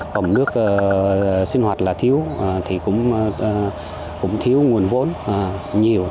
còn nước sinh hoạt là thiếu thì cũng thiếu nguồn vốn nhiều